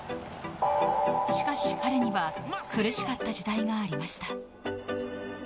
しかし彼には苦しかった時代がありました。